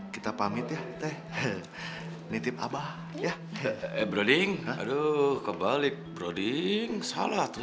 kita pamit ya teh nitip abah ya broding aduh kebalik broding salah